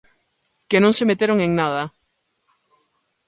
Que non se meteron en nada.